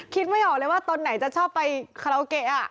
คิดไม่ออกเลยว่าตนไหนจะชอบไปคาลาวเกะอะ